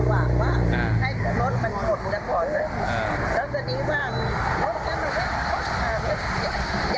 ว่ามันต้องเต็ดยาย